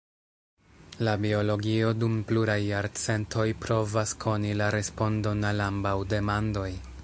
La biologio dum pluraj jarcentoj provas koni la respondon al ambaŭ demandoj.